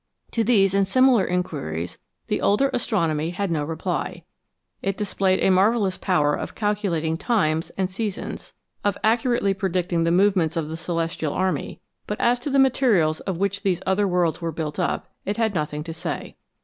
To these and similar inquiries the older astronomy had no reply. It displayed a marvellous power of cal culating times and seasons, of accurately predicting the movements of the celestial army, but as to the materials of which these other worlds were built up, it had nothing to say.